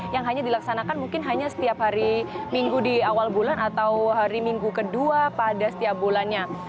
yang hanya dilaksanakan mungkin hanya setiap hari minggu di awal bulan atau hari minggu kedua pada setiap bulannya